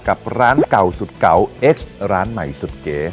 กับร้านเก่าสุดเก่าเอ็กซ์ร้านใหม่สุดเก๋